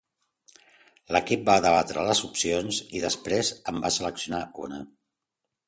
L'equip va debatre les opcions i després en va seleccionar una.